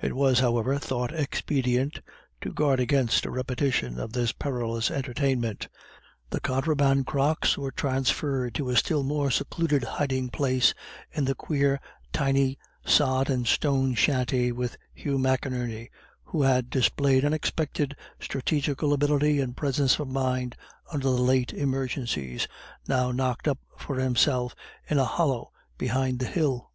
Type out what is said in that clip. It was, however, thought expedient to guard against a repetition of this perilous entertainment, and the contraband crocks were transferred to a still more secluded hiding place in the queer tiny sod and stone shanty with Hugh McInerney, who had displayed unexpected strategical ability and presence of mind under late emergencies, now knocked up for himself in a hollow behind the hill.